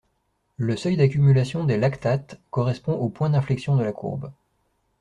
Le seuil d'accumulation des lactates correspond au point d'inflexion de la courbe.